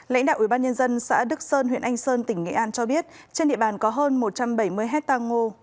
lãnh đạo ubnd xã đức sơn huyện anh sơn tỉnh nghệ an cho biết trên địa bàn có hơn một trăm bảy mươi hectare ngô